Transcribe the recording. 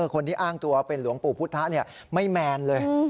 คนที่อ้างตัวเป็นหลวงปู่พุทธไม่แมนเลย